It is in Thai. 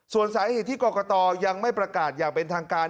ส่วนสาเหตุที่กรกตยังไม่ประกาศอย่างเป็นทางการ